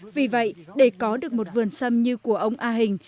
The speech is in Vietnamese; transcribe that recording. vì vậy để có được một vườn sâm như của ông a hình